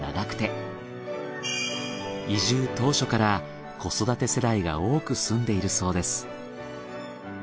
移住当初から子育て世代が多く住んでいるそうです。